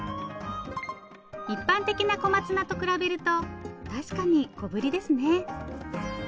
一般的な小松菜と比べると確かに小ぶりですね。